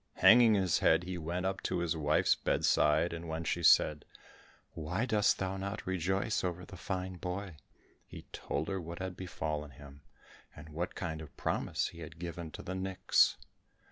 Hanging his head, he went up to his wife's bedside and when she said, "Why dost thou not rejoice over the fine boy?" he told her what had befallen him, and what kind of a promise he had given to the nix.